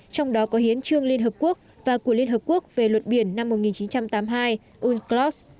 trong đó có hiến trương liên hợp quốc và của liên hợp quốc về luật biển năm một nghìn chín trăm tám mươi hai unclos